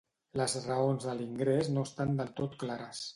Les raons de l'ingrés no estan del tot clares.